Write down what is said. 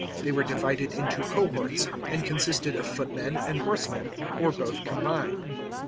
They were divided into cohorts, and consisted of footmen and horse men, or both combined.